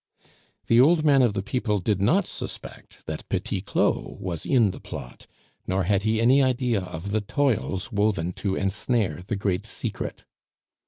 The old man of the people did not suspect that Petit Claud was in the plot, nor had he any idea of the toils woven to ensnare the great secret.